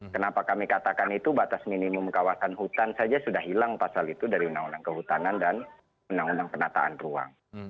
kenapa kami katakan itu batas minimum kawasan hutan saja sudah hilang pasal itu dari undang undang kehutanan dan undang undang penataan ruang